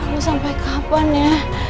lo sampai kapan ya